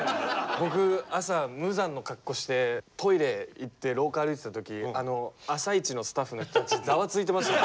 僕朝無惨の格好してトイレ行って廊下歩いてたとき「あさイチ」のスタッフの人たちざわついてましたもん。